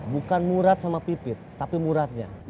bukan murad sama pipit tapi muradnya